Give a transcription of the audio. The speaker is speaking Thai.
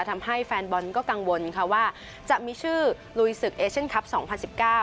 ทำให้แฟนบอลก็กังวลค่ะว่าจะมีชื่อลุยศึกเอเชียนคลับสองพันสิบเก้า